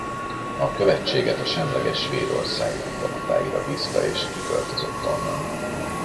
A követséget a semleges Svédország diplomatáira bízta és kiköltözött onnan.